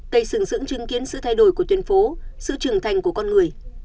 cây sừng dưỡng chứng kiến sự thay đổi của tuyến phố sự trưởng thành của con người